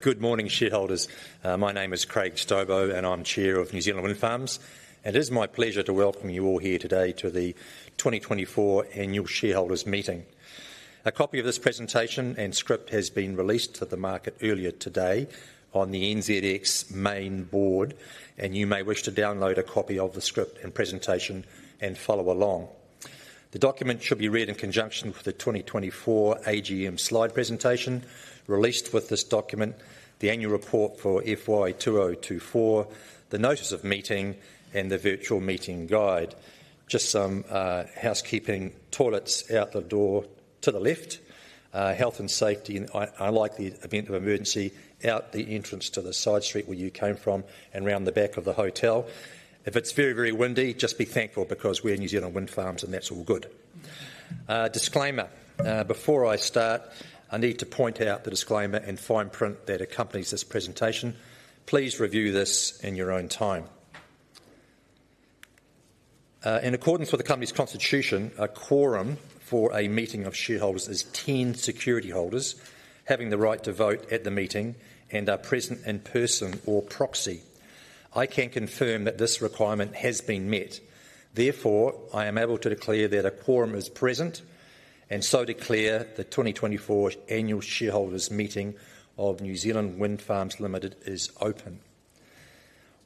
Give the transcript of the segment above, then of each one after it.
Good morning, shareholders. My name is Craig Stobo, and I'm Chair of New Zealand Windfarms. It is my pleasure to welcome you all here today to the 2024 Annual Shareholders Meeting. A copy of this presentation and script has been released to the market earlier today on the NZX main board, and you may wish to download a copy of the script and presentation and follow along. The document should be read in conjunction with the 2024 AGM slide presentation released with this document, the annual report for FY 2024, the notice of meeting, and the virtual meeting guide. Just some housekeeping: toilets out the door to the left, health and safety, and unlikely event of emergency out the entrance to the side street where you came from and around the back of the hotel. If it's very, very windy, just be thankful because we're New Zealand Windfarms, and that's all good. Disclaimer: Before I start, I need to point out the disclaimer and fine print that accompanies this presentation. Please review this in your own time. In accordance with the company's constitution, a quorum for a meeting of shareholders is ten security holders having the right to vote at the meeting and are present in person or proxy. I can confirm that this requirement has been met. Therefore, I am able to declare that a quorum is present and so declare the 2024 Annual Shareholders Meeting of New Zealand Windfarms Limited is open.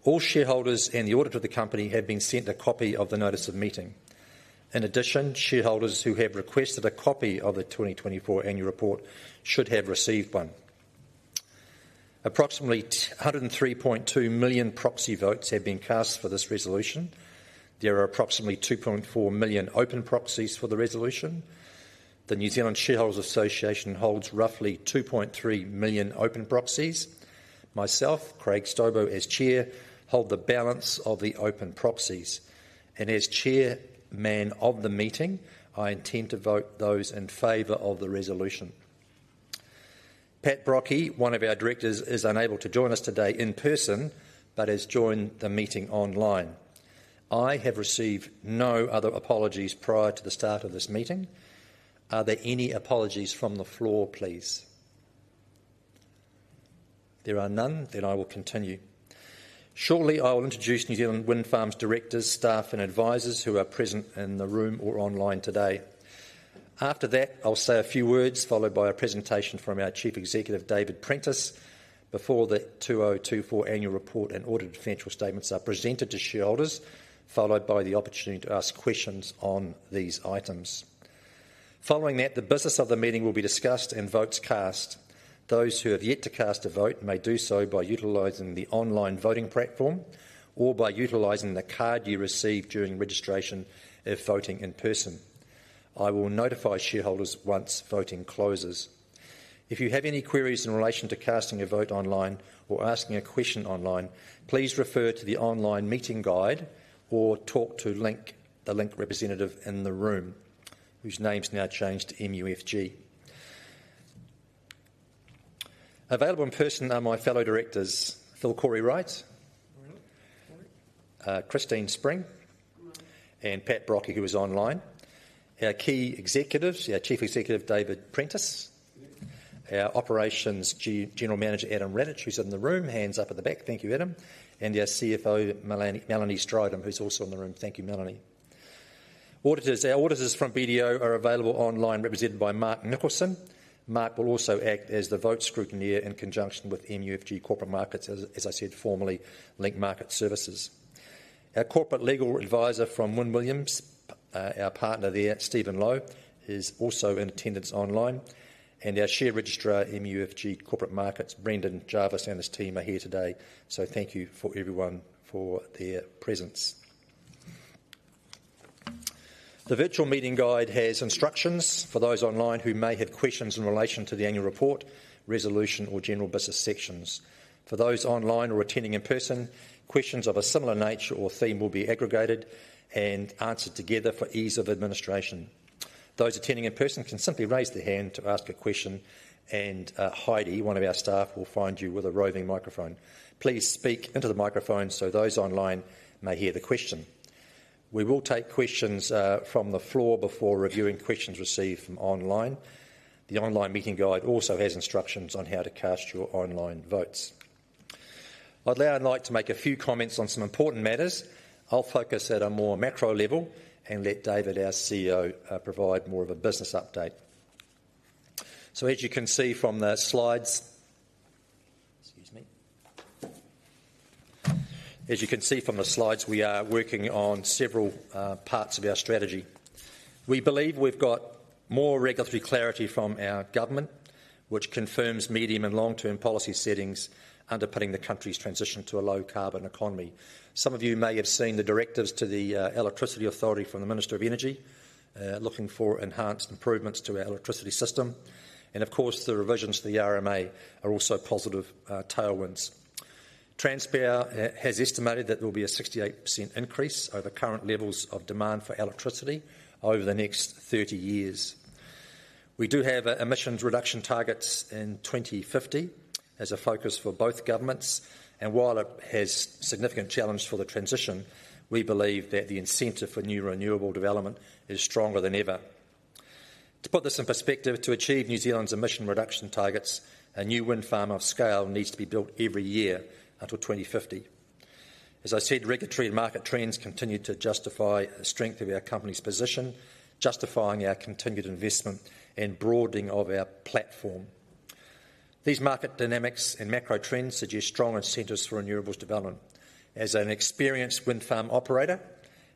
All shareholders and the auditor of the company have been sent a copy of the notice of meeting. In addition, shareholders who have requested a copy of the 2024 annual report should have received one. Approximately 103.2 million proxy votes have been cast for this resolution. There are approximately 2.4 million open proxies for the resolution. The New Zealand Shareholders Association holds roughly 2.3 million open proxies. Myself, Craig Stobo, as Chair, hold the balance of the open proxies, and as Chairman of the meeting, I intend to vote those in favor of the resolution. Pat Brockie, one of our directors, is unable to join us today in person but has joined the meeting online. I have received no other apologies prior to the start of this meeting. Are there any apologies from the floor, please? There are none, then I will continue. Shortly, I will introduce New Zealand Windfarms directors, staff, and advisers who are present in the room or online today. After that, I'll say a few words followed by a presentation from our Chief Executive, David Prentice, before the 2024 annual report and audit financial statements are presented to shareholders, followed by the opportunity to ask questions on these items. Following that, the business of the meeting will be discussed and votes cast. Those who have yet to cast a vote may do so by utilizing the online voting platform or by utilizing the card you received during registration if voting in person. I will notify shareholders once voting closes. If you have any queries in relation to casting a vote online or asking a question online, please refer to the online meeting guide or talk to the Link representative in the room, whose name has now changed to MUFG. Available in person are my fellow directors, Phil Cory-Wright, Christine Spring, and Pat Brockie, who is online. Our key executives, our Chief Executive, David Prentice, our operations general manager, Adam Plested, who's in the room, hands up at the back. Thank you, Adam. And our CFO, Melanie Strydom, who's also in the room. Thank you, Melanie. Auditors from BDO are available online, represented by Mark Nicholson. Mark will also act as the vote scrutineer in conjunction with MUFG Corporate Markets, as I said formerly, Link Market Services. Our corporate legal adviser from Wynn Williams, our partner there, Stephen Lowe, is also in attendance online. And our share registrar, MUFG Corporate Markets, Brendan Jarvis and his team are here today. So thank you for everyone for their presence. The virtual meeting guide has instructions for those online who may have questions in relation to the annual report, resolution, or general business sections. For those online or attending in person, questions of a similar nature or theme will be aggregated and answered together for ease of administration. Those attending in person can simply raise their hand to ask a question, and Heidi, one of our staff, will find you with a roving microphone. Please speak into the microphone so those online may hear the question. We will take questions from the floor before reviewing questions received from online. The online meeting guide also has instructions on how to cast your online votes. I'd now like to make a few comments on some important matters. I'll focus at a more macro level and let David, our CEO, provide more of a business update. So as you can see from the slides, excuse me, as you can see from the slides, we are working on several parts of our strategy. We believe we've got more regulatory clarity from our government, which confirms medium- and long-term policy settings underpinning the country's transition to a low-carbon economy. Some of you may have seen the directives to the Electricity Authority from the Minister of Energy, looking for enhanced improvements to our electricity system, and of course, the revisions to the RMA are also positive tailwinds. Transpower has estimated that there will be a 68% increase over current levels of demand for electricity over the next 30 years. We do have emissions reduction targets in 2050 as a focus for both governments, and while it has significant challenges for the transition, we believe that the incentive for new renewable development is stronger than ever. To put this in perspective, to achieve New Zealand's emission reduction targets, a new wind farm of scale needs to be built every year until 2050. As I said, regulatory and market trends continue to justify the strength of our company's position, justifying our continued investment and broadening of our platform. These market dynamics and macro trends suggest strong incentives for renewables development. As an experienced wind farm operator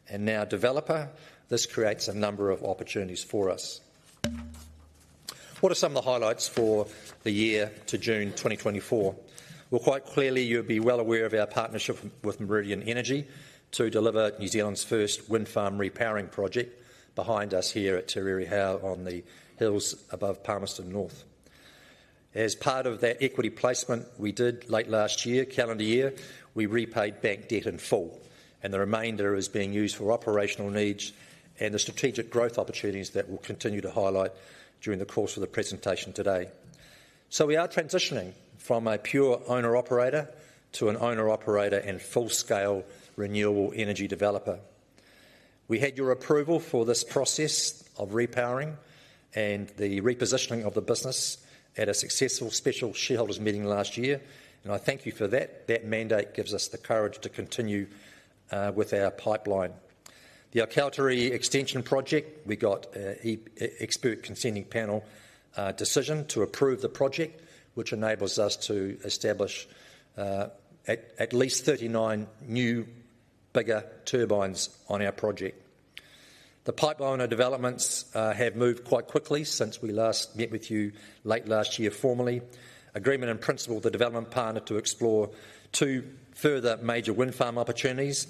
and now developer, this creates a number of opportunities for us. What are some of the highlights for the year to June 2024? Quite clearly, you'll be well aware of our partnership with Meridian Energy to deliver New Zealand's first wind farm repowering project behind us here at Te Rere Hau on the hills above Palmerston North. As part of that equity placement we did late last year, calendar year, we repaid bank debt in full, and the remainder is being used for operational needs and the strategic growth opportunities that we'll continue to highlight during the course of the presentation today. So we are transitioning from a pure owner-operator to an owner-operator and full-scale renewable energy developer. We had your approval for this process of repowering and the repositioning of the business at a successful special shareholders meeting last year, and I thank you for that. That mandate gives us the courage to continue with our pipeline. The Aokautere Extension project, we got an expert consenting panel decision to approve the project, which enables us to establish at least 39 new bigger turbines on our project. The pipeline developments have moved quite quickly since we last met with you late last year formally. Agreement in principle, the development partner to explore two further major wind farm opportunities,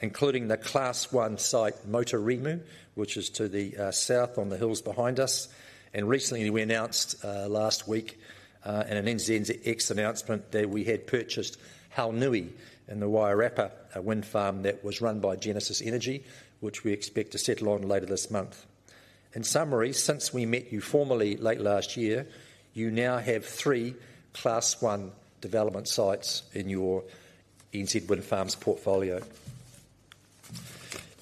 including the Class 1 site Motorimu, which is to the south on the hills behind us. Recently, we announced last week in an NZX announcement that we had purchased Hau Nui, in the Wairarapa, a wind farm that was run by Genesis Energy, which we expect to settle on later this month. In summary, since we met you formally late last year, you now have three Class 1 development sites in your NZ Wind Farms portfolio.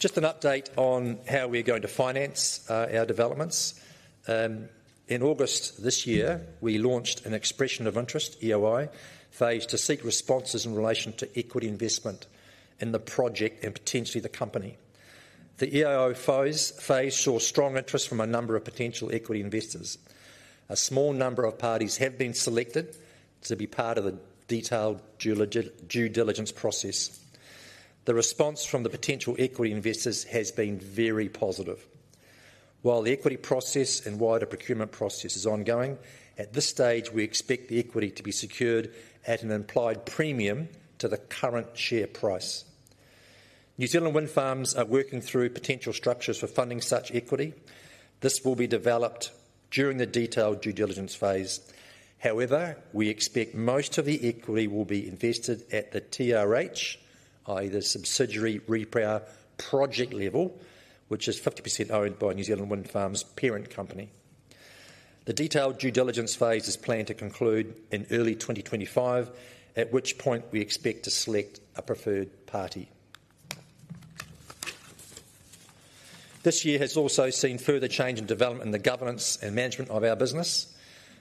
Just an update on how we're going to finance our developments. In August this year, we launched an expression of interest, EOI, phase to seek responses in relation to equity investment in the project and potentially the company. The EOI phase saw strong interest from a number of potential equity investors. A small number of parties have been selected to be part of the detailed due diligence process. The response from the potential equity investors has been very positive. While the equity process and wider procurement process is ongoing, at this stage, we expect the equity to be secured at an implied premium to the current share price. New Zealand Windfarms are working through potential structures for funding such equity. This will be developed during the detailed due diligence phase. However, we expect most of the equity will be invested at the TRH, i.e., the subsidiary repower project level, which is 50% owned by New Zealand Windfarms' parent company. The detailed due diligence phase is planned to conclude in early 2025, at which point we expect to select a preferred party. This year has also seen further change in development in the governance and management of our business.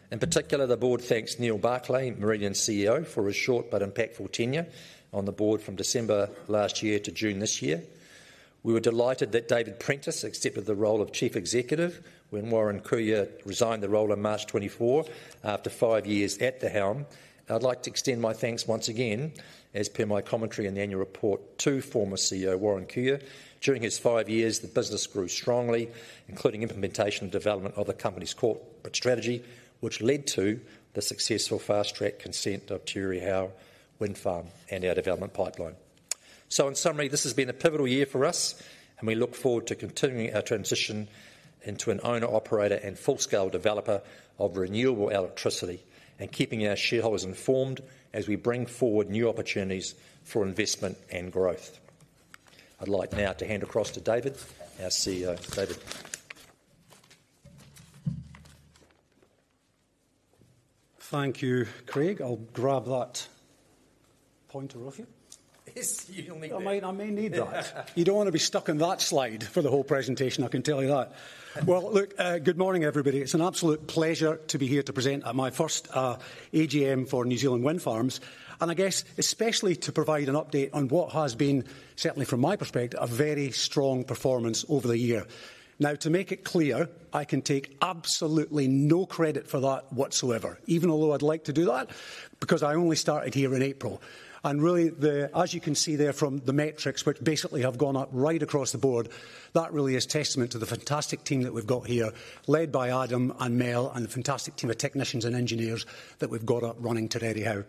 In particular, the board thanks Neil Barclay, Meridian's CEO, for his short but impactful tenure on the board from December last year to June this year. We were delighted that David Prentice accepted the role of Chief Executive when Warren Koia resigned the role in March 2024 after five years at the helm. I'd like to extend my thanks once again, as per my commentary in the annual report, to former CEO Warren Koia. During his five years, the business grew strongly, including implementation and development of the company's corporate strategy, which led to the successful fast-track consent of Te Rere Hau wind farm and our development pipeline. So in summary, this has been a pivotal year for us, and we look forward to continuing our transition into an owner-operator and full-scale developer of renewable electricity and keeping our shareholders informed as we bring forward new opportunities for investment and growth. I'd like now to hand across to David, our CEO. David. Thank you, Craig. I'll grab that pointer off you. Yes, you don't need that. I mean, I mean need that. You don't want to be stuck in that slide for the whole presentation, I can tell you that. Well, look, good morning, everybody. It's an absolute pleasure to be here to present at my first AGM for New Zealand Windfarms, and I guess especially to provide an update on what has been, certainly from my perspective, a very strong performance over the year. Now, to make it clear, I can take absolutely no credit for that whatsoever, even although I'd like to do that, because I only started here in April. And really, as you can see there from the metrics, which basically have gone up right across the board, that really is testament to the fantastic team that we've got here, led by Adam and Mel and the fantastic team of technicians and engineers that we've got up running Te Rere Hau.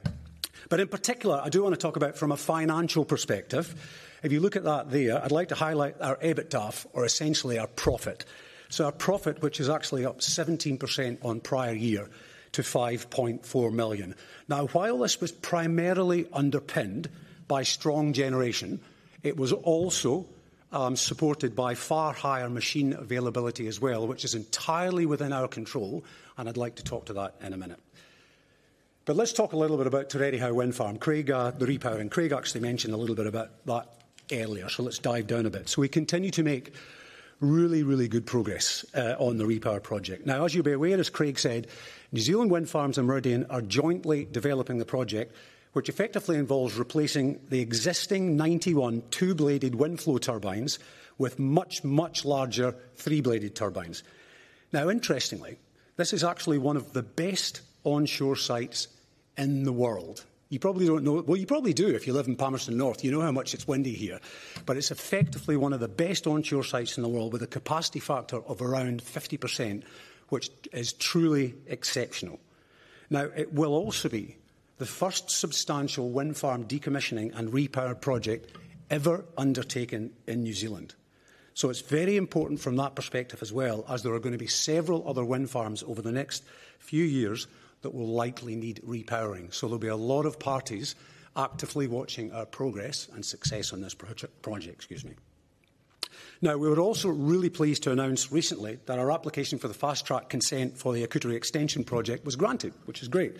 But in particular, I do want to talk about from a financial perspective. If you look at that there, I'd like to highlight our EBITDA, or essentially our profit. So our profit, which is actually up 17% on prior year to 5.4 million. Now, while this was primarily underpinned by strong generation, it was also supported by far higher machine availability as well, which is entirely within our control, and I'd like to talk to that in a minute. But let's talk a little bit about Te Rere Hau wind farm. Craig, the repowering, Craig actually mentioned a little bit about that earlier, so let's dive down a bit. So we continue to make really, really good progress on the repower project. Now, as you'll be aware, as Craig said, New Zealand Windfarms and Meridian are jointly developing the project, which effectively involves replacing the existing 91 two-bladed Windflow turbines with much, much larger three-bladed turbines. Now, interestingly, this is actually one of the best onshore sites in the world. You probably don't know well, you probably do if you live in Palmerston North, you know how much it's windy here. But it's effectively one of the best onshore sites in the world with a capacity factor of around 50%, which is truly exceptional. Now, it will also be the first substantial wind farm decommissioning and repower project ever undertaken in New Zealand. So it's very important from that perspective as well, as there are going to be several other wind farms over the next few years that will likely need repowering. So there'll be a lot of parties actively watching our progress and success on this project. Excuse me. Now, we were also really pleased to announce recently that our application for the fast-track consent for the Aokautere Extension project was granted, which is great.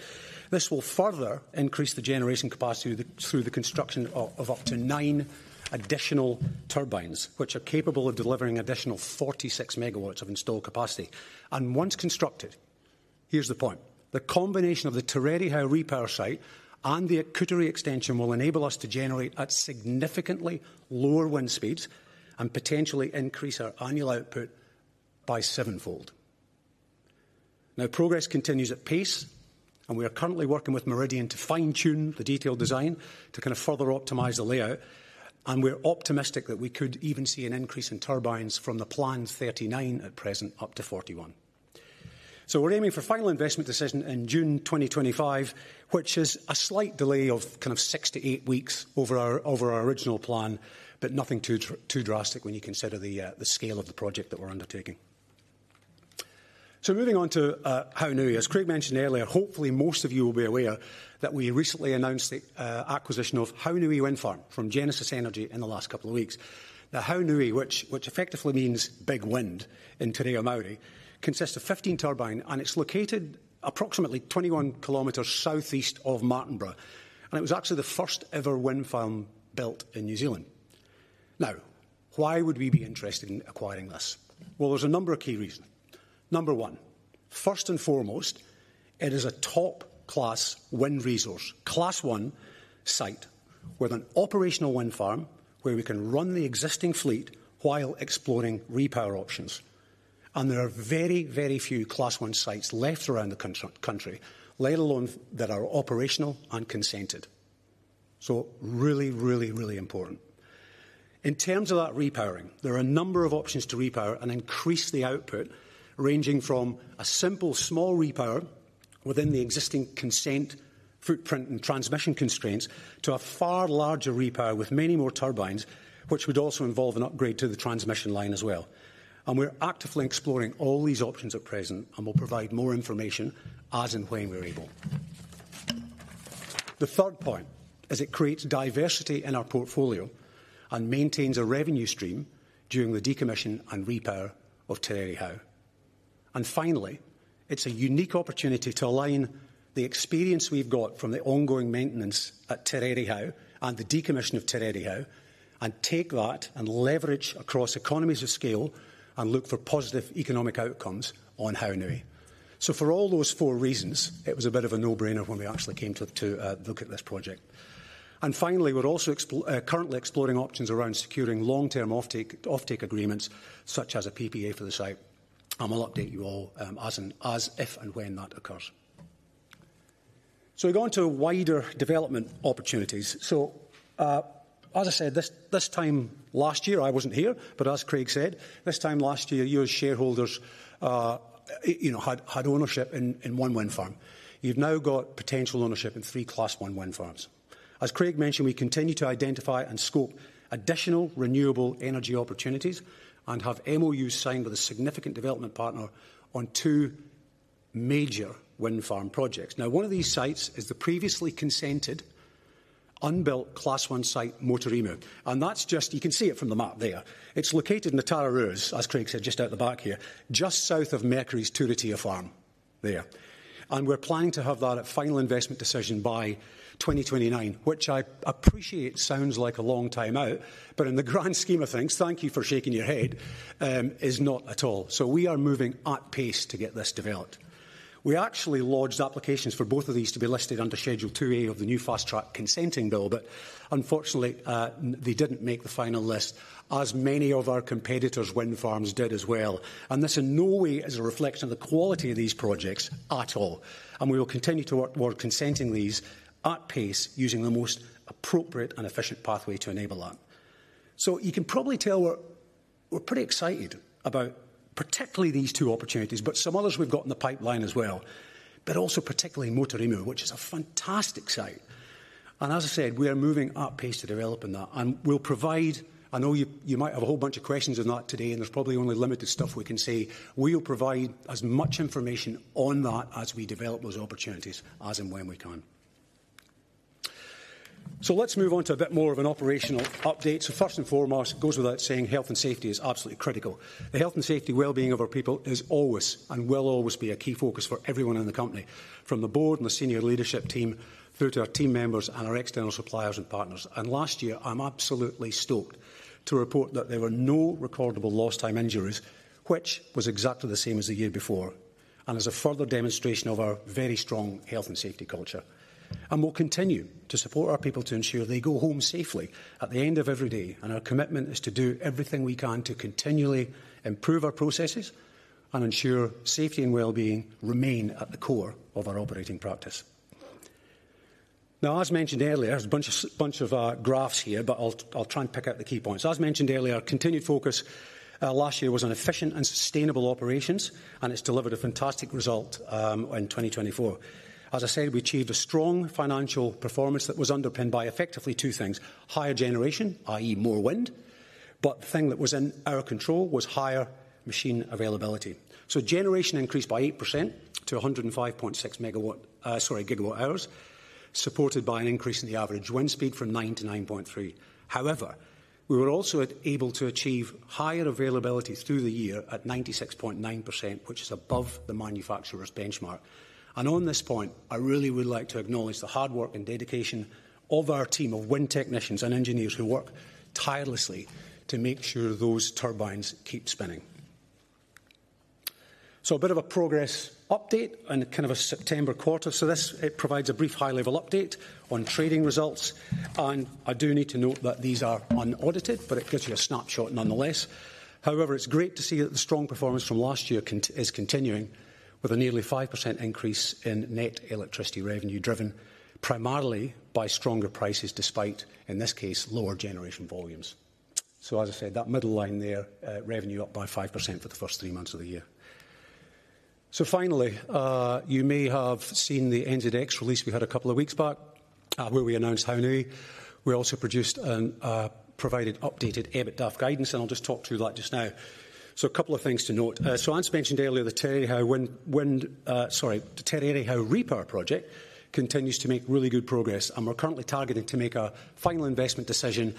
This will further increase the generation capacity through the construction of up to nine additional turbines, which are capable of delivering additional 46 megawatts of installed capacity, and once constructed, here's the point. The combination of the Te Rere Hau repower site and the Aokautere Extension will enable us to generate at significantly lower wind speeds and potentially increase our annual output by sevenfold. Now, progress continues at pace, and we are currently working with Meridian to fine-tune the detailed design to kind of further optimize the layout. We're optimistic that we could even see an increase in turbines from the planned 39 at present up to 41. We're aiming for final investment decision in June 2025, which is a slight delay of kind of six to eight weeks over our original plan, but nothing too drastic when you consider the scale of the project that we're undertaking. Moving on to Hau Nui. As Craig mentioned earlier, hopefully most of you will be aware that we recently announced the acquisition of Hau Nui Wind Farm from Genesis Energy in the last couple of weeks. Now, Hau Nui, which effectively means big wind in Te Reo Māori, consists of 15 turbines, and it's located approximately 21 kilometers southeast of Martinborough. It was actually the first ever wind farm built in New Zealand. Now, why would we be interested in acquiring this? Well, there's a number of key reasons. Number one, first and foremost, it is a top-class wind resource, Class 1 site with an operational wind farm where we can run the existing fleet while exploring repower options. And there are very, very few Class 1 sites left around the country, let alone that are operational and consented. So really, really, really important. In terms of that repowering, there are a number of options to repower and increase the output, ranging from a simple small repower within the existing consent, footprint, and transmission constraints to a far larger repower with many more turbines, which would also involve an upgrade to the transmission line as well. And we're actively exploring all these options at present and will provide more information as and when we're able. The third point is it creates diversity in our portfolio and maintains a revenue stream during the decommission and repower of Te Rere Hau, and finally, it's a unique opportunity to align the experience we've got from the ongoing maintenance at Te Rere Hau and the decommission of Te Rere Hau and take that and leverage across economies of scale and look for positive economic outcomes on Hau Nui, so for all those four reasons, it was a bit of a no-brainer when we actually came to look at this project, and finally, we're also currently exploring options around securing long-term offtake agreements, such as a PPA for the site, and we'll update you all as if and when that occurs, so we've gone to wider development opportunities. So as I said, this time last year, I wasn't here, but as Craig said, this time last year, you as shareholders had ownership in one wind farm. You've now got potential ownership in three Class 1 wind farms. As Craig mentioned, we continue to identify and scope additional renewable energy opportunities and have MoUs signed with a significant development partner on two major wind farm projects. Now, one of these sites is the previously consented unbuilt Class 1 site Motorimu. And that's just, you can see it from the map there. It's located in the Tararua Range, as Craig said, just out the back here, just south of Mercury's Turitea Farm there. And we're planning to have that at final investment decision by 2029, which I appreciate sounds like a long time out, but in the grand scheme of things, thank you for shaking your head, is not at all. So we are moving at pace to get this developed. We actually lodged applications for both of these to be listed under Schedule 2A of the new fast-track consenting bill, but unfortunately, they didn't make the final list as many of our competitors' wind farms did as well. And this in no way is a reflection of the quality of these projects at all. And we will continue to work toward consenting these at pace using the most appropriate and efficient pathway to enable that. So you can probably tell we're pretty excited about particularly these two opportunities, but some others we've got in the pipeline as well, but also particularly Motorimu, which is a fantastic site. And as I said, we are moving at pace to develop in that. And we'll provide, I know you might have a whole bunch of questions on that today, and there's probably only limited stuff we can say. We'll provide as much information on that as we develop those opportunities, as and when we can. So let's move on to a bit more of an operational update. So first and foremost, it goes without saying, health and safety is absolutely critical. The health and safety well-being of our people is always and will always be a key focus for everyone in the company, from the board and the senior leadership team through to our team members and our external suppliers and partners, and last year, I'm absolutely stoked to report that there were no recordable lost-time injuries, which was exactly the same as the year before, and is a further demonstration of our very strong health and safety culture, and we'll continue to support our people to ensure they go home safely at the end of every day, and our commitment is to do everything we can to continually improve our processes and ensure safety and well-being remain at the core of our operating practice. Now, as mentioned earlier, there's a bunch of graphs here, but I'll try and pick out the key points. As mentioned earlier, continued focus last year was on efficient and sustainable operations, and it's delivered a fantastic result in 2024. As I said, we achieved a strong financial performance that was underpinned by effectively two things: higher generation, i.e., more wind, but the thing that was in our control was higher machine availability. So generation increased by 8% to 105.6 megawatt, sorry, gigawatt hours, supported by an increase in the average wind speed from 9 to 9.3. However, we were also able to achieve higher availability through the year at 96.9%, which is above the manufacturer's benchmark. And on this point, I really would like to acknowledge the hard work and dedication of our team of wind technicians and engineers who work tirelessly to make sure those turbines keep spinning. So a bit of a progress update and kind of a September quarter. This provides a brief high-level update on trading results. I do need to note that these are unaudited, but it gives you a snapshot nonetheless. However, it's great to see that the strong performance from last year is continuing with a nearly 5% increase in net electricity revenue driven primarily by stronger prices despite, in this case, lower generation volumes. As I said, that middle line there, revenue up by 5% for the first three months of the year. Finally, you may have seen the NZX release we had a couple of weeks back where we announced Hau Nui. We also produced and provided updated EBITDA guidance, and I'll just talk to you about this now. A couple of things to note. So as mentioned earlier, the Te Rere Hau wind, sorry, the Te Rere Hau repower project continues to make really good progress, and we're currently targeting to make our final investment decision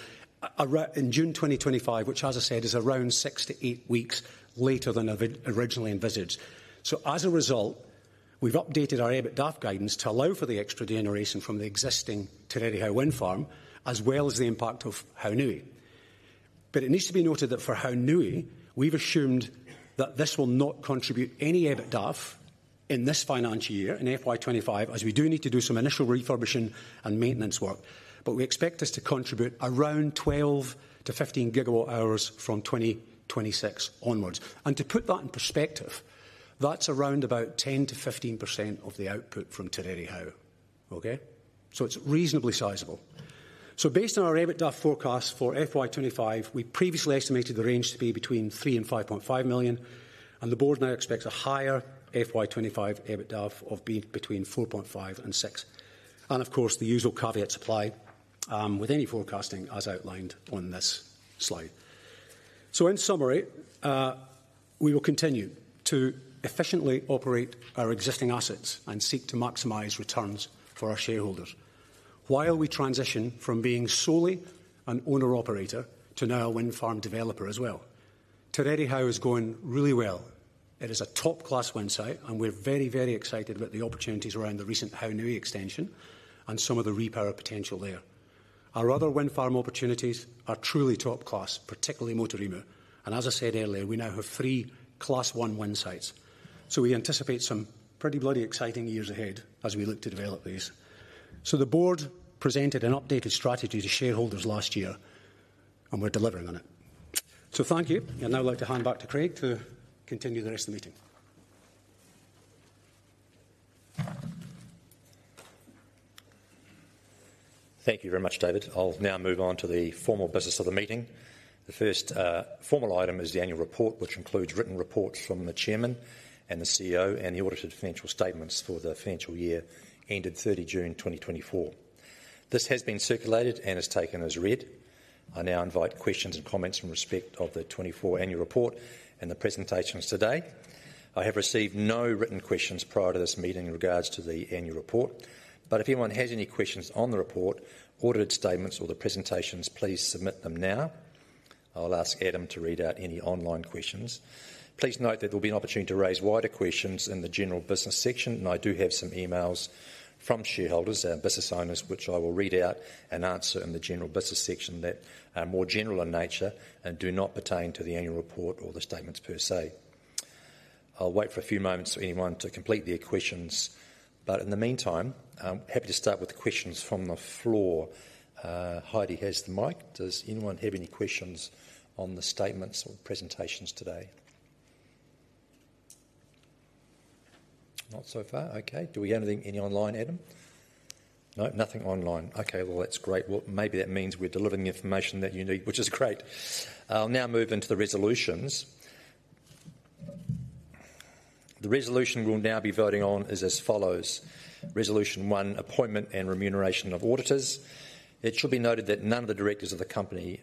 in June 2025, which, as I said, is around six to eight weeks later than originally envisaged. So as a result, we've updated our EBITDA guidance to allow for the extra generation from the existing Te Rere Hau wind farm, as well as the impact of Hau Nui. But it needs to be noted that for Hau Nui, we've assumed that this will not contribute any EBITDA in this financial year in FY25, as we do need to do some initial refurbishing and maintenance work. But we expect this to contribute around 12 to 15 gigawatt hours from 2026 onwards. And to put that in perspective, that's around about 10%-15% of the output from Te Rere Hau. Okay? So it's reasonably sizable. So based on our EBITDA forecast for FY25, we previously estimated the range to be between 3 million and 5.5 million, and the board now expects a higher FY25 EBITDA of being between 4.5 million and 6 million. And of course, the usual caveats apply with any forecasting, as outlined on this slide. So in summary, we will continue to efficiently operate our existing assets and seek to maximize returns for our shareholders while we transition from being solely an owner-operator to now a wind farm developer as well. Te Rere Hau is going really well. It is a top-class wind site, and we're very, very excited about the opportunities around the recent Hau Nui extension and some of the repower potential there. Our other wind farm opportunities are truly top-class, particularly Motorimu, and as I said earlier, we now have three Class 1 wind sites, so we anticipate some pretty bloody exciting years ahead as we look to develop these, so the board presented an updated strategy to shareholders last year, and we're delivering on it, so thank you. I'd now like to hand back to Craig to continue the rest of the meeting. Thank you very much, David. I'll now move on to the formal business of the meeting. The first formal item is the annual report, which includes written reports from the Chairman and the CEO and the audited financial statements for the financial year ended 30 June 2024. This has been circulated and is taken as read. I now invite questions and comments in respect of the 2024 annual report and the presentations today. I have received no written questions prior to this meeting in regards to the annual report. But if anyone has any questions on the report, audited statements, or the presentations, please submit them now. I'll ask Adam to read out any online questions. Please note that there'll be an opportunity to raise wider questions in the general business section, and I do have some emails from shareholders and business owners which I will read out and answer in the general business section that are more general in nature and do not pertain to the annual report or the statements per se. I'll wait for a few moments for anyone to complete their questions, but in the meantime, I'm happy to start with questions from the floor. Heidi has the mic. Does anyone have any questions on the statements or presentations today? Not so far. Okay. Do we have any online, Adam? No, nothing online. Okay. Well, that's great. Well, maybe that means we're delivering the information that you need, which is great. I'll now move into the resolutions. The resolution we'll now be voting on is as follows. Resolution One, appointment and remuneration of auditors. It should be noted that none of the directors of the company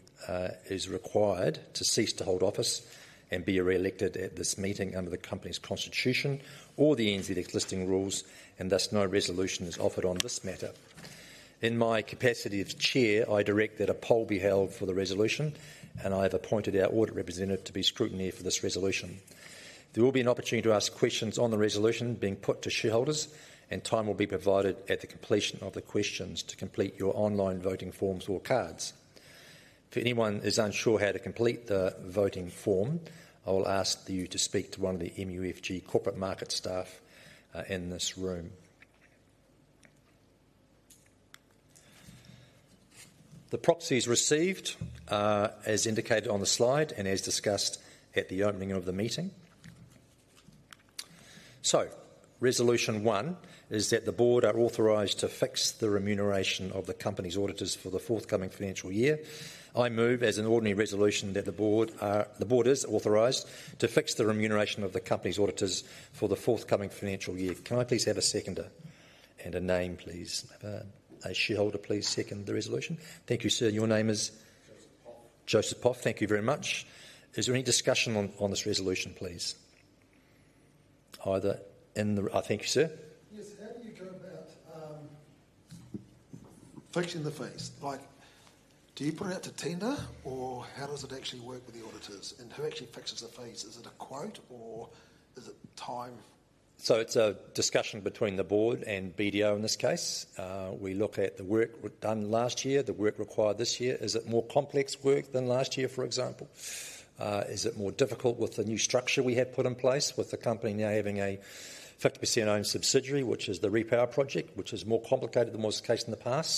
is required to cease to hold office and be re-elected at this meeting under the company's constitution or the NZ listing rules, and thus no resolution is offered on this matter. In my capacity as chair, I direct that a poll be held for the resolution, and I have appointed our audit representative to be the scrutineer for this resolution. There will be an opportunity to ask questions on the resolution being put to shareholders, and time will be provided at the completion of the questions to complete your online voting forms or cards. If anyone is unsure how to complete the voting form, I will ask you to speak to one of the MUFG Corporate Markets staff in this room. The proxies received as indicated on the slide and as discussed at the opening of the meeting, so resolution one is that the board are authorized to fix the remuneration of the company's auditors for the forthcoming financial year. I move as an ordinary resolution that the board is authorized to fix the remuneration of the company's auditors for the forthcoming financial year. Can I please have a seconder and a name, please? A shareholder, please second the resolution. Thank you, sir. Your name is? Joseph Poth. Joseph Poth. Thank you very much. Is there any discussion on this resolution, please? Either in the... Thank you, sir. Yes. How do you go about fixing the fees? Do you put it out to tender, or how does it actually work with the auditors, and who actually fixes the fees? Is it a quote, or is it time? It's a discussion between the board and BDO in this case. We look at the work done last year, the work required this year. Is it more complex work than last year, for example? Is it more difficult with the new structure we have put in place, with the company now having a 50% owned subsidiary, which is the repower project, which is more complicated than was the case in the past?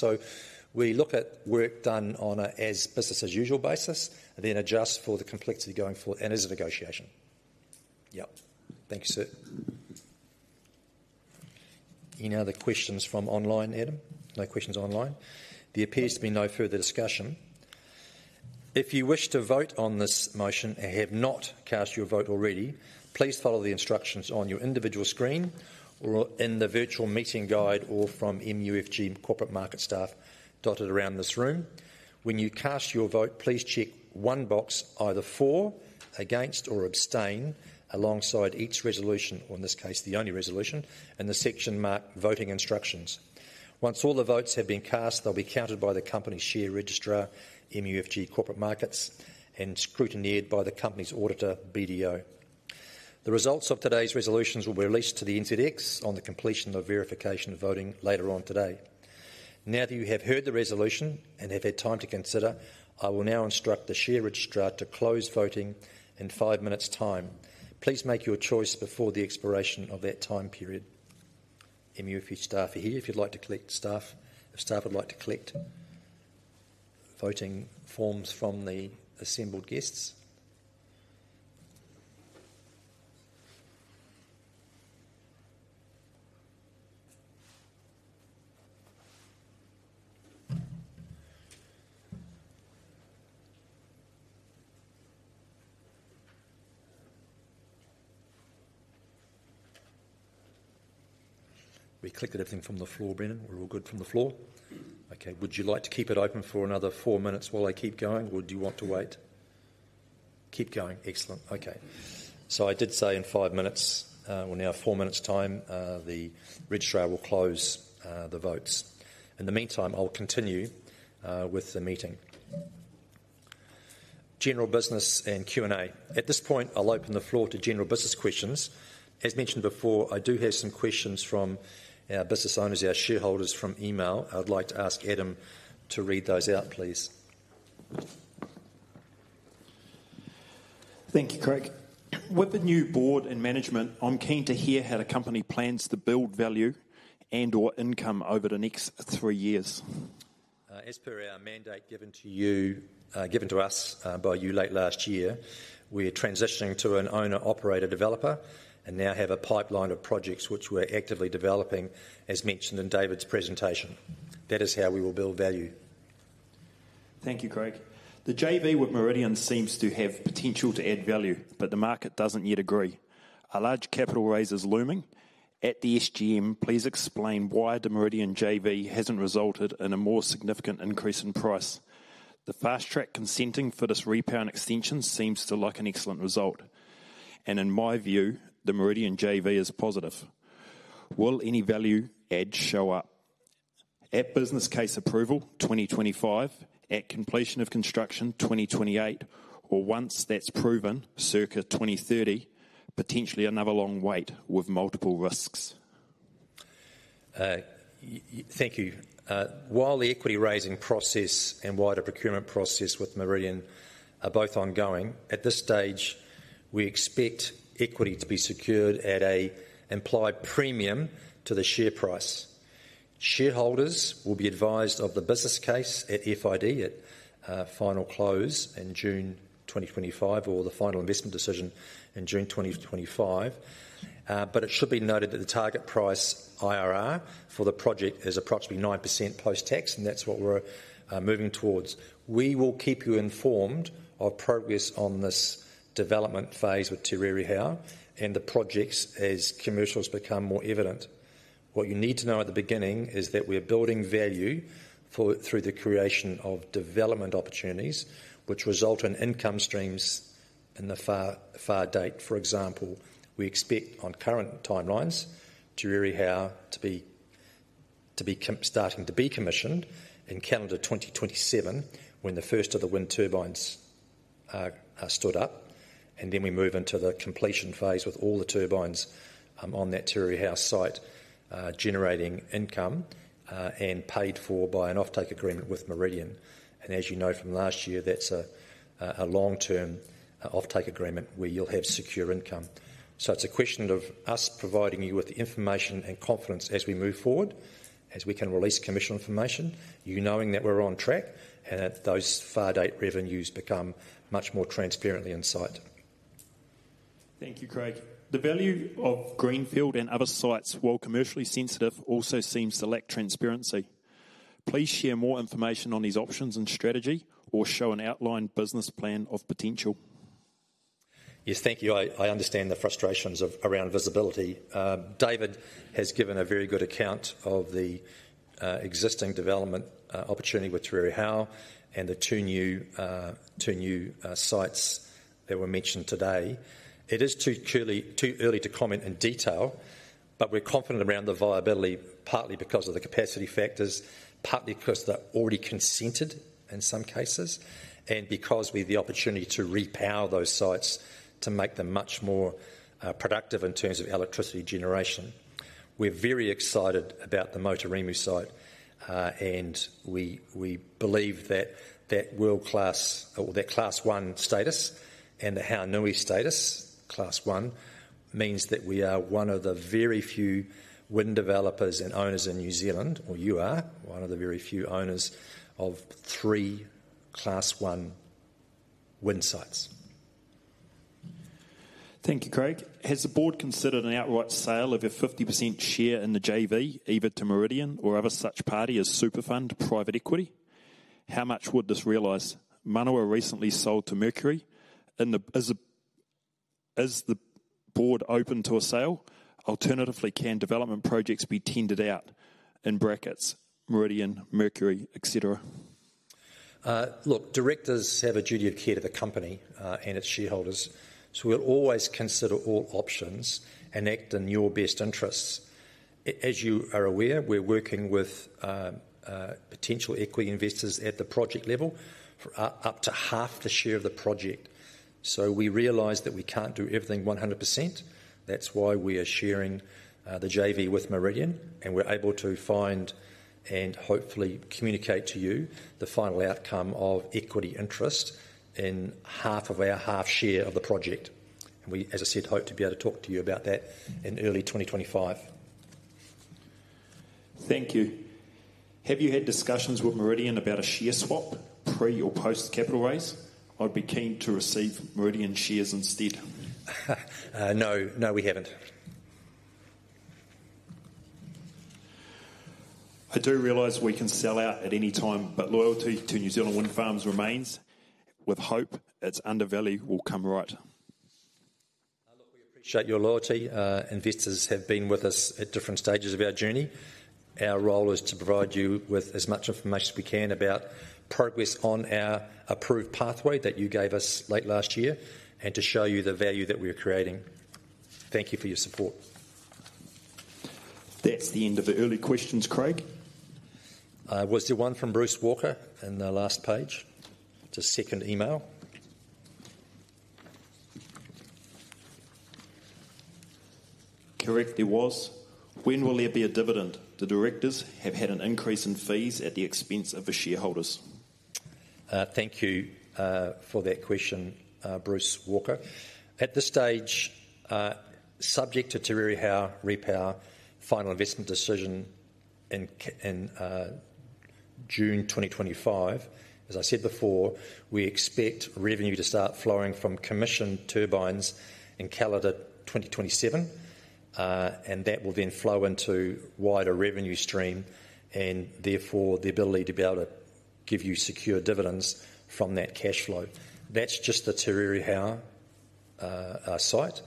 We look at work done on a business-as-usual basis, then adjust for the complexity going forward and as a negotiation. Yep. Thank you, sir. Any other questions from online, Adam? No questions online. There appears to be no further discussion. If you wish to vote on this motion and have not cast your vote already, please follow the instructions on your individual screen or in the virtual meeting guide or from MUFG Corporate Markets staff dotted around this room. When you cast your vote, please check one box, either for, against, or abstain alongside each resolution, or in this case, the only resolution, and the section marked voting instructions. Once all the votes have been cast, they'll be counted by the company's share registrar, MUFG Corporate Markets, and scrutineered by the company's auditor, BDO. The results of today's resolutions will be released to the NZX on the completion of verification voting later on today. Now that you have heard the resolution and have had time to consider, I will now instruct the share registrar to close voting in five minutes' time. Please make your choice before the expiration of that time period. MUFG staff are here if you'd like to collect staff, if staff would like to collect voting forms from the assembled guests. We clicked everything from the floor, Brendan. We're all good from the floor. Okay. Would you like to keep it open for another four minutes while I keep going, or do you want to wait? Keep going. Excellent. Okay. So I did say in five minutes, we're now four minutes' time, the registrar will close the votes. In the meantime, I'll continue with the meeting. General business and Q&A. At this point, I'll open the floor to general business questions. As mentioned before, I do have some questions from our business owners, our shareholders from email. I'd like to ask Adam to read those out, please. Thank you, Craig. With the new board and management, I'm keen to hear how the company plans to build value and/or income over the next three years. As per our mandate given to you, given to us by you late last year, we're transitioning to an owner-operator developer and now have a pipeline of projects which we're actively developing, as mentioned in David's presentation. That is how we will build value. Thank you, Craig. The JV with Meridian seems to have potential to add value, but the market doesn't yet agree. A large capital raise is looming. At the SGM, please explain why the Meridian JV hasn't resulted in a more significant increase in price. The fast-track consenting for this repowering extension seems like an excellent result. And in my view, the Meridian JV is positive. Will any value adds show up at business case approval 2025, at completion of construction 2028, or once that's proven, circa 2030, potentially another long wait with multiple risks? Thank you. While the equity raising process and wider procurement process with Meridian are both ongoing, at this stage, we expect equity to be secured at an implied premium to the share price. Shareholders will be advised of the business case at FID at final close in June 2025 or the final investment decision in June 2025. But it should be noted that the target price IRR for the project is approximately 9% post-tax, and that's what we're moving towards. We will keep you informed of progress on this development phase with Te Rere Hau and the projects as commercials become more evident. What you need to know at the beginning is that we're building value through the creation of development opportunities, which result in income streams in the far date. For example, we expect on current timelines, Te Rere Hau to be starting to be commissioned in calendar 2027 when the first of the wind turbines are stood up, and then we move into the completion phase with all the turbines on that Te Rere Hau site generating income and paid for by an off-take agreement with Meridian. And as you know from last year, that's a long-term off-take agreement where you'll have secure income. So it's a question of us providing you with the information and confidence as we move forward, as we can release commercial information, you knowing that we're on track and that those far-date revenues become much more transparently in sight. Thank you, Craig. The value of Greenfield and other sites, while commercially sensitive, also seems to lack transparency. Please share more information on these options and strategy or show an outlined business plan of potential. Yes, thank you. I understand the frustrations around visibility. David has given a very good account of the existing development opportunity with Te Rere Hau and the two new sites that were mentioned today. It is too early to comment in detail, but we're confident around the viability, partly because of the capacity factors, partly because they're already consented in some cases, and because we have the opportunity to repower those sites to make them much more productive in terms of electricity generation. We're very excited about the Motorimu site, and we believe that that world-class or that class one status and the Hau Nui status, class one, means that we are one of the very few wind developers and owners in New Zealand, or you are, one of the very few owners of three class one wind sites. Thank you, Craig. Has the board considered an outright sale of a 50% share in the JV, either to Meridian or other such party as Superfund Private Equity? How much would this realize? Manawa recently sold to Mercury. Is the board open to a sale? Alternatively, can development projects be tendered out? (Meridian, Mercury, etc.) Look, directors have a duty of care to the company and its shareholders, so we'll always consider all options and act in your best interests. As you are aware, we're working with potential equity investors at the project level for up to half the share of the project. So we realize that we can't do everything 100%. That's why we are sharing the JV with Meridian, and we're able to find and hopefully communicate to you the final outcome of equity interest in half of our half share of the project, and we, as I said, hope to be able to talk to you about that in early 2025. Thank you. Have you had discussions with Meridian about a share swap pre or post-capital raise? I'd be keen to receive Meridian shares instead. No, no, we haven't. I do realize we can sell out at any time, but loyalty to New Zealand Windfarms remains. With hope, its underbelly will come right. Look, we appreciate your loyalty. Investors have been with us at different stages of our journey. Our role is to provide you with as much information as we can about progress on our approved pathway that you gave us late last year and to show you the value that we are creating. Thank you for your support. That's the end of the early questions, Craig. Was there one from Bruce Walker in the last page? It's a second email. Correct, there was. When will there be a dividend? The directors have had an increase in fees at the expense of the shareholders. Thank you for that question, Bruce Walker. At this stage, subject to Te Rere Hau repower final investment decision in June 2025, as I said before, we expect revenue to start flowing from commissioned turbines in calendar 2027, and that will then flow into wider revenue stream and therefore the ability to be able to give you secure dividends from that cash flow. That's just the Te Rere Hau site.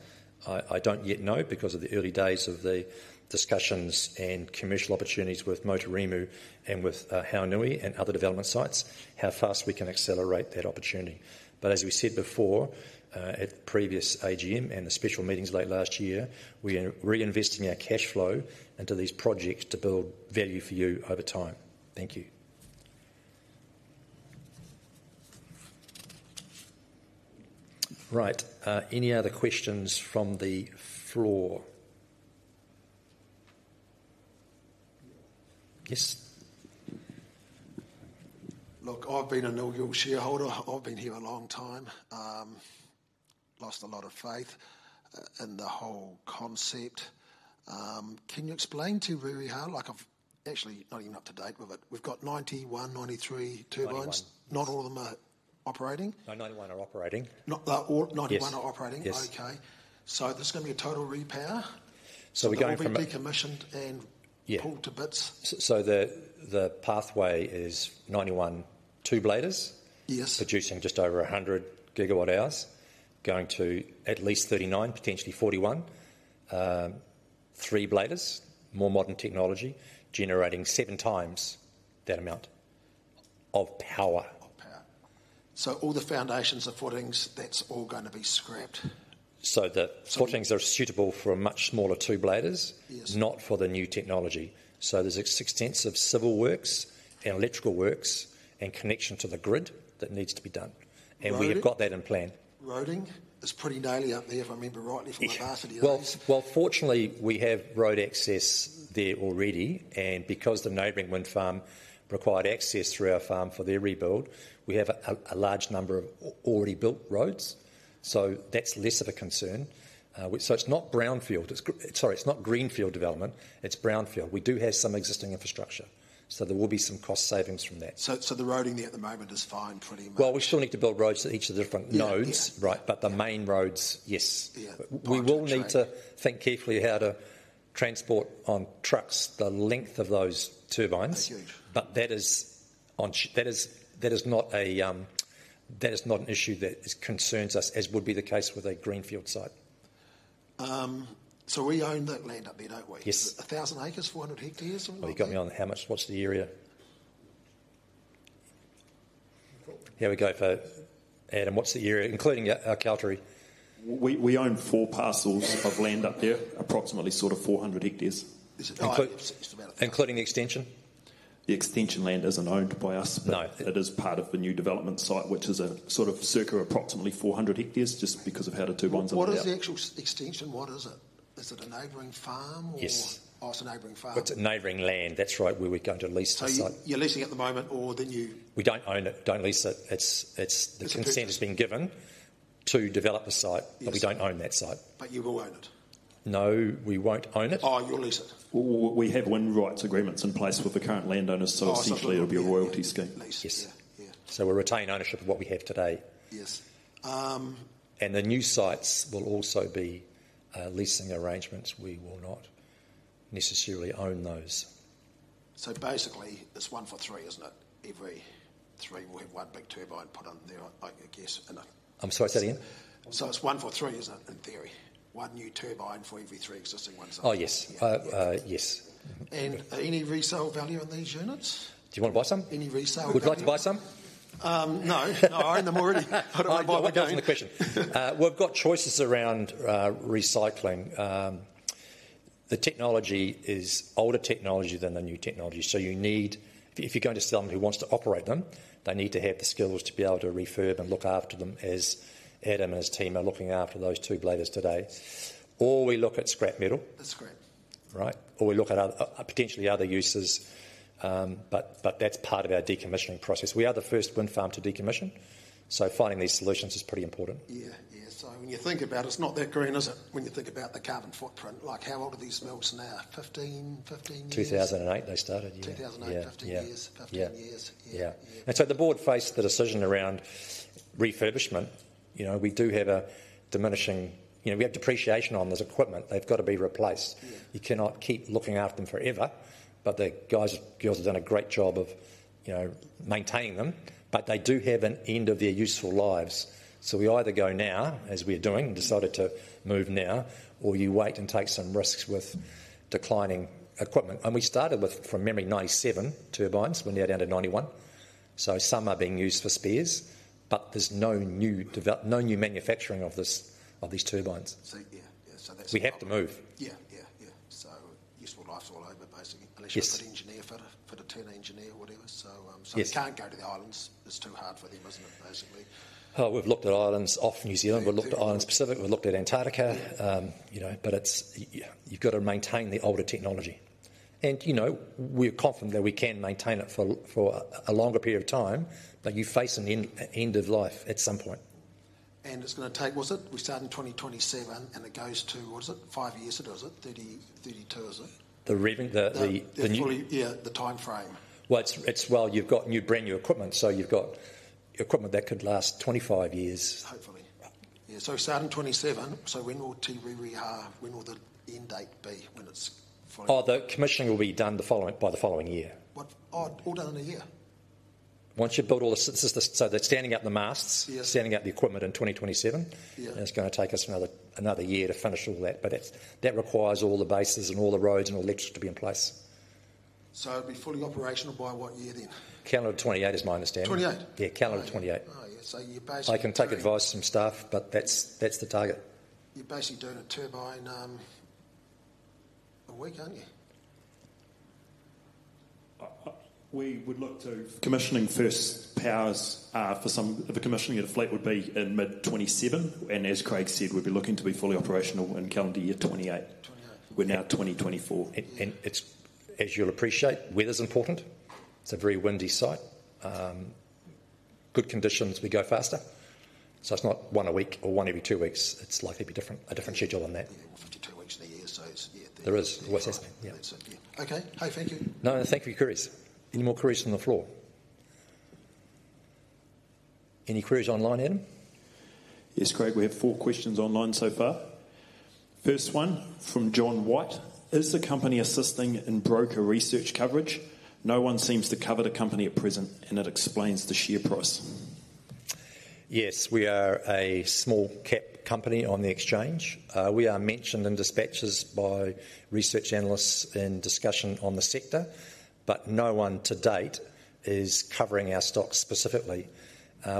I don't yet know because of the early days of the discussions and commercial opportunities with Motorimu and with Hau Nui and other development sites how fast we can accelerate that opportunity. But as we said before at previous AGM and the special meetings late last year, we are reinvesting our cash flow into these projects to build value for you over time. Thank you. Right. Any other questions from the floor? Yes. Look, I've been an inaugural shareholder. I've been here a long time. Lost a lot of faith in the whole concept. Can you explain Te Rere Hau, like I've actually not even up to date with it, we've got 91, 93 turbines. Not all of them are operating. No, 91 are operating. 91 are operating. Okay. So there's going to be a total repower. So we're going from. And will be decommissioned and pulled to bits. So the pathway is 91 two bladers producing just over 100 gigawatt hours, going to at least 39, potentially 41, three bladers, more modern technology, generating seven times that amount of power. Of power. So all the foundations of footings, that's all going to be scrapped. So the footings are suitable for much smaller two-bladers, not for the new technology. So there's extensive civil works and electrical works and connection to the grid that needs to be done. And we have got that in plan. Roaring is pretty noisy up there, if I remember rightly from my best years. Fortunately, we have road access there already. Because the neighboring wind farm required access through our farm for their rebuild, we have a large number of already built roads. That's less of a concern. It's not brownfield, sorry, it's not greenfield development. It's brownfield. We do have some existing infrastructure. There will be some cost savings from that. The routing there at the moment is fine, pretty much. We still need to build roads at each of the different nodes, right? But the main roads, yes. We will need to think carefully how to transport on trucks the length of those turbines. But that is not an issue that concerns us, as would be the case with a greenfield site. So we own that land up there, don't we? Yes. 1,000 acres, 400 hectares or what? Oh, you got me on how much? What's the area? Here we go, Adam. What's the area, including our Aokautere? We own four parcels of land up there, approximately sort of 400 hectares. Including the extension? The extension land isn't owned by us, but it is part of the new development site, which is a sort of circa approximately 400 hectares just because of how the turbines are built. What is the actual extension? What is it? Is it a neighboring farm or is it a neighboring farm? It's a neighboring land. That's right where we're going to lease the site. You're leasing it at the moment or then you? We don't own it. Don't lease it. The consent has been given to develop the site, but we don't own that site. But you will own it? No, we won't own it. Oh, you'll lease it? We have wind rights agreements in place with the current landowners, so essentially it'll be a royalty scheme. Yes. So we'll retain ownership of what we have today. Yes. The new sites will also be leasing arrangements. We will not necessarily own those. So basically, it's one for three, isn't it? Every three will have one big turbine put on there, I guess. I'm sorry, say that again. So it's one for three, isn't it, in theory? One new turbine for every three existing ones. Oh, yes. Yes. Any resale value on these units? Do you want to buy some? Any resale value? Would you like to buy some? No. I own them already. I'll go with the question. We've got choices around recycling. The technology is older technology than the new technology. So you need, if you're going to sell them who wants to operate them, they need to have the skills to be able to refurb and look after them as Adam and his team are looking after those two-bladed today. Or we look at scrap metal. The scrap. Right. Or we look at potentially other uses, but that's part of our decommissioning process. We are the first wind farm to decommission, so finding these solutions is pretty important. Yeah. Yeah. So when you think about it, it's not that green, is it, when you think about the carbon footprint? Like how old are these mills now? 15, 15 years? 2008 they started, yeah. 2008, 15 years. 15 years. Yeah. And so the board faced the decision around refurbishment. We do have a diminishing, we have depreciation on this equipment. They've got to be replaced. You cannot keep looking after them forever, but the guys and girls have done a great job of maintaining them. But they do have an end of their useful lives. So we either go now, as we're doing, and decided to move now, or you wait and take some risks with declining equipment. And we started with, from memory, 97 turbines. We're now down to 91. So some are being used for spares, but there's no new manufacturing of these turbines. So yeah, so that's. We have to move. Yeah. So useful life's all over, basically, unless you've got an engineer for it, for the turbine engineer or whatever. So you can't go to the islands. It's too hard for them, isn't it, basically? We've looked at islands off New Zealand. We've looked at islands Pacific. We've looked at Antarctica. But you've got to maintain the older technology. And we're confident that we can maintain it for a longer period of time, but you face an end of life at some point. It's going to take, what's it? We start in 2027 and it goes to, what is it? Five years ago, is it? 32, is it? The new. Yeah, the timeframe. It's while you've got new, brand new equipment, so you've got equipment that could last 25 years. Hopefully. Yeah. So we start in 2027. So when will Te Rere Hau, when will the end date be when it's? Oh, the commissioning will be done by the following year. All done in a year? Once you've built all the systems, so they're standing up the masts, standing up the equipment in 2027. And it's going to take us another year to finish all that. But that requires all the bases and all the roads and all electrical to be in place. So it'll be fully operational by what year then? Calendar 28 is my understanding. 28? Yeah, calendar 28. Oh, yeah. So you're basically. I can take advice from staff, but that's the target. You're basically doing a turbine a week, aren't you? We would look to. Commissioning first powers for some of the commissioning of the fleet would be in mid-2027. And as Craig said, we'll be looking to be fully operational in calendar year 2028. We're now 2024. And as you'll appreciate, weather's important. It's a very windy site. Good conditions, we go faster. So it's not one a week or one every two weeks. It's likely to be a different schedule than that. 52 weeks in a year, so it's. There is. Yeah. Okay. Hey, thank you. No, thank you for your queries. Any more queries from the floor? Any queries online, Adam? Yes, Craig, we have four questions online so far. First one from John White. Is the company assisting in broker research coverage? No one seems to cover the company at present, and it explains the share price. Yes, we are a small company on the exchange. We are mentioned in dispatches by research analysts in discussion on the sector, but no one to date is covering our stock specifically.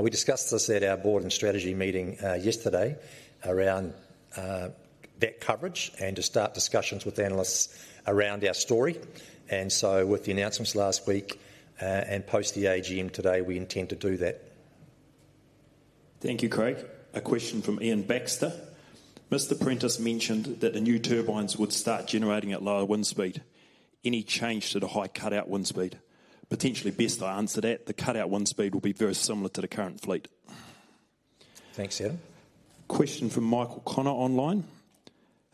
We discussed this at our board and strategy meeting yesterday around that coverage and to start discussions with analysts around our story, and so with the announcements last week and post the AGM today, we intend to do that. Thank you, Craig. A question from Ian Baxter. Mr. Prentice mentioned that the new turbines would start generating at lower wind speed. Any change to the high cutout wind speed? Potentially best to answer that. The cutout wind speed will be very similar to the current fleet. Thanks, Adam. Question from Michael Connor online.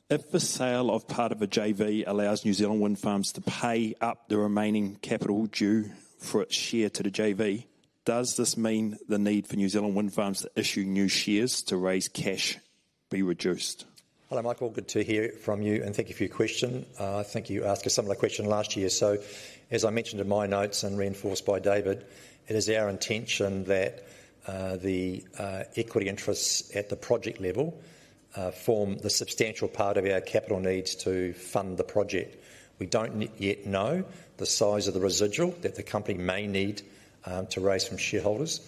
If the sale of part of a JV allows New Zealand Windfarms to pay up the remaining capital due for its share to the JV, does this mean the need for New Zealand Windfarms to issue new shares to raise cash be reduced? Hello, Michael. Good to hear from you and thank you for your question. I think you asked a similar question last year. So as I mentioned in my notes and reinforced by David, it is our intention that the equity interests at the project level form the substantial part of our capital needs to fund the project. We don't yet know the size of the residual that the company may need to raise from shareholders.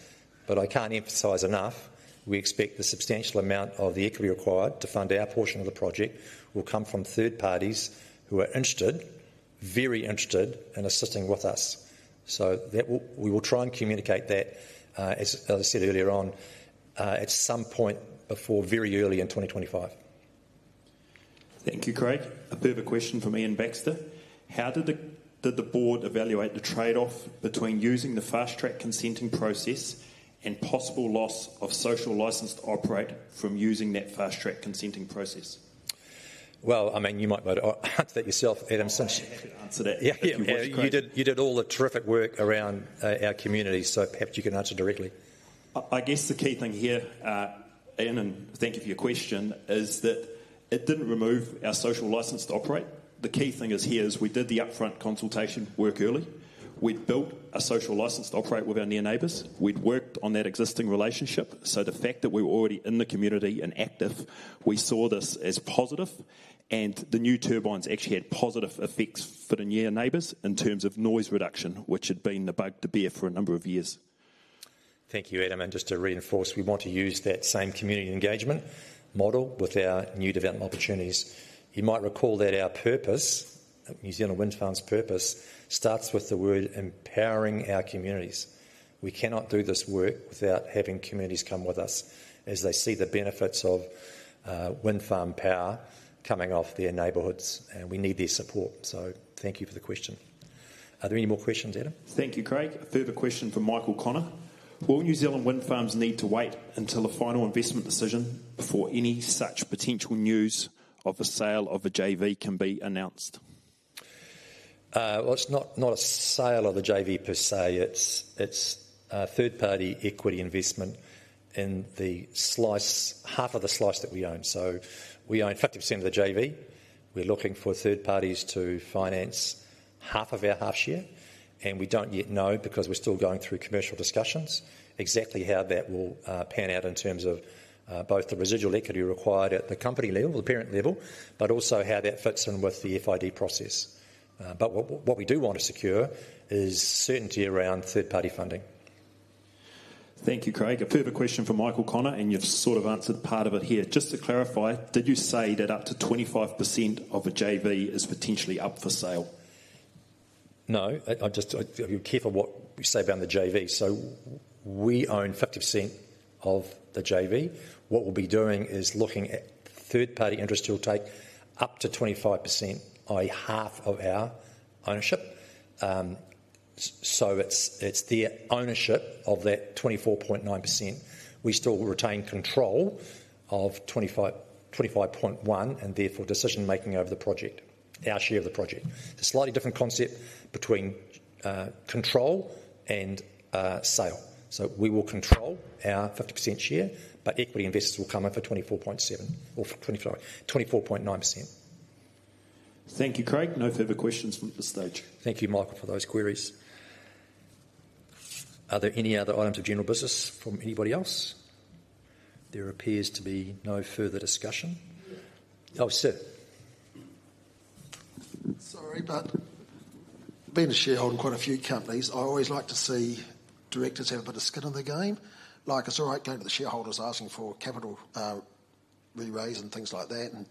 But I can't emphasize enough, we expect the substantial amount of the equity required to fund our portion of the project will come from third parties who are interested, very interested in assisting with us. So we will try and communicate that, as I said earlier on, at some point before very early in 2025. Thank you, Craig. A bit of a question from Ian Baxter. How did the board evaluate the trade-off between using the fast-track consenting process and possible loss of social license to operate from using that fast-track consenting process? I mean, you might be able to answer that yourself, Adam. I'm sure you can answer that. Yeah. You did all the terrific work around our community, so perhaps you can answer directly. I guess the key thing here, Ian, and thank you for your question, is that it didn't remove our social license to operate. The key thing here is we did the upfront consultation work early. We'd built a social license to operate with our near neighbors. We'd worked on that existing relationship. So the fact that we were already in the community and active, we saw this as positive. And the new turbines actually had positive effects for the near neighbors in terms of noise reduction, which had been the bugbear for a number of years. Thank you, Adam. And just to reinforce, we want to use that same community engagement model with our new development opportunities. You might recall that our purpose, New Zealand Windfarms' purpose, starts with the word empowering our communities. We cannot do this work without having communities come with us as they see the benefits of wind farm power coming off their neighborhoods. And we need their support. So thank you for the question. Are there any more questions, Adam? Thank you, Craig. A bit of a question from Michael Connor. Will New Zealand Windfarms need to wait until a final investment decision before any such potential news of the sale of the JV can be announced? It's not a sale of the JV per se. It's a third-party equity investment in the slice, half of the slice that we own. So we own 50% of the JV. We're looking for third parties to finance half of our half-share. And we don't yet know because we're still going through commercial discussions exactly how that will pan out in terms of both the residual equity required at the company level, the parent level, but also how that fits in with the FID process. But what we do want to secure is certainty around third-party funding. Thank you, Craig. A bit of a question from Michael Connor, and you've sort of answered part of it here. Just to clarify, did you say that up to 25% of the JV is potentially up for sale? No. Be careful what you say about the JV. So we own 50% of the JV. What we'll be doing is looking at third-party interest to take up to 25%, i.e., half of our ownership. So it's their ownership of that 24.9%. We still retain control of 25.1% and therefore decision-making over the project, our share of the project. It's a slightly different concept between control and sale. So we will control our 50% share, but equity investors will come up for 24.7% or 24.9%. Thank you, Craig. No further questions from this stage. Thank you, Michael, for those queries. Are there any other items of general business from anybody else? There appears to be no further discussion. Oh, sir. Sorry, but being a shareholder in quite a few companies, I always like to see directors have a bit of skin in the game. Like it's all right going to the shareholders asking for capital re-raise and things like that.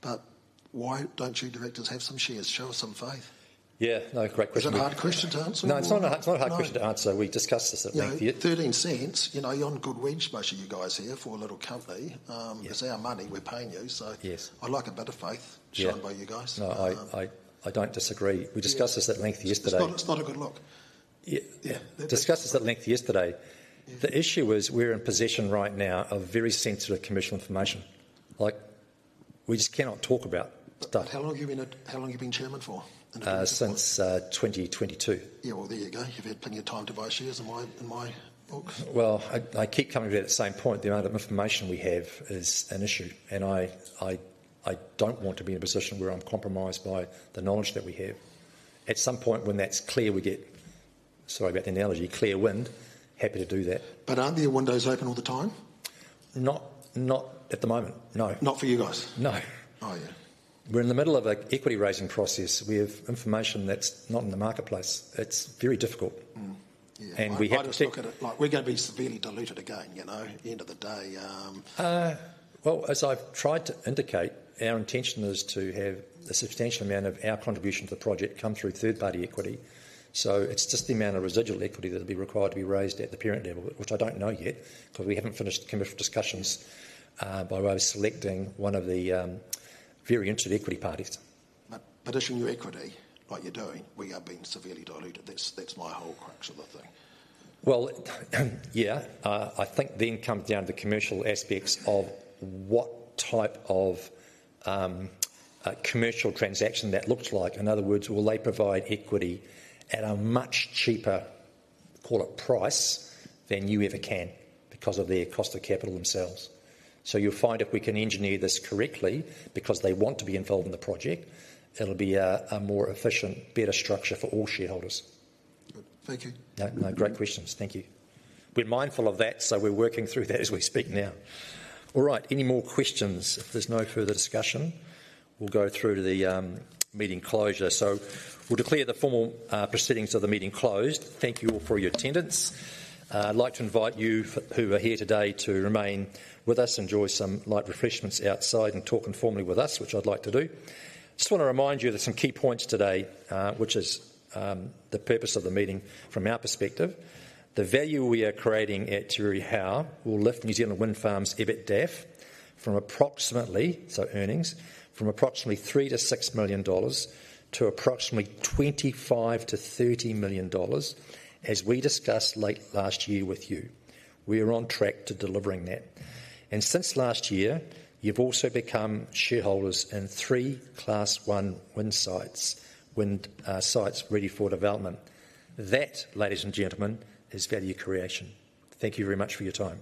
But why don't you directors have some shares? Show us some faith. Yeah. No, correct question. Is that a hard question to answer? No, it's not a hard question to answer. We discussed this at length yesterday. Yeah. 0.13, you're on good wage most of you guys here for a little company. It's our money. We're paying you. So I'd like a bit of faith shown by you guys. No, I don't disagree. We discussed this at length yesterday. It's not a good look. Yeah. Discussed this at length yesterday. The issue is we're in possession right now of very sensitive commercial information. We just cannot talk about. How long have you been chairman for? Since 2022. Yeah. Well, there you go. You've had plenty of time to buy shares in my books. I keep coming to that same point. The amount of information we have is an issue. And I don't want to be in a position where I'm compromised by the knowledge that we have. At some point when that's clear, we get, sorry about the analogy, clear wind. Happy to do that. But aren't there windows open all the time? Not at the moment. No. Not for you guys? No. Oh, yeah. We're in the middle of an equity-raising process. We have information that's not in the marketplace. It's very difficult. And we have to. How do we look at it? We're going to be severely diluted again, you know, at the end of the day. As I've tried to indicate, our intention is to have a substantial amount of our contribution to the project come through third-party equity. So it's just the amount of residual equity that will be required to be raised at the parent level, which I don't know yet because we haven't finished the commercial discussions by way of selecting one of the very interested equity parties. But additional equity, like you're doing, we are being severely diluted. That's my whole crux of the thing. Yeah. I think then comes down to the commercial aspects of what type of commercial transaction that looks like. In other words, will they provide equity at a much cheaper, call it price, than you ever can because of their cost of capital themselves? So you'll find if we can engineer this correctly because they want to be involved in the project, it'll be a more efficient, better structure for all shareholders. Thank you. No, great questions. Thank you. We're mindful of that, so we're working through that as we speak now. All right. Any more questions? If there's no further discussion, we'll go through to the meeting closure. So we'll declare the formal proceedings of the meeting closed. Thank you all for your attendance. I'd like to invite you who are here today to remain with us, enjoy some light refreshments outside, and talk informally with us, which I'd like to do. Just want to remind you of some key points today, which is the purpose of the meeting from our perspective. The value we are creating at Te Rere Hau will lift New Zealand Windfarms' EBITDA from approximately, so earnings, from approximately 3-6 million dollars to approximately 25-30 million dollars as we discussed late last year with you. We are on track to delivering that. And since last year, you've also become shareholders in three Class 1 wind sites ready for development. That, ladies and gentlemen, is value creation. Thank you very much for your time.